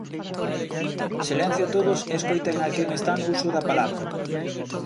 Silencio todos e escoiten a quen está no uso da palabra.